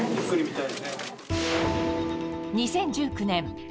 ２０１９年